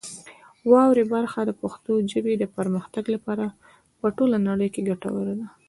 واورئ برخه د پښتو ژبې د پرمختګ لپاره په ټوله نړۍ کې ګټوره ده.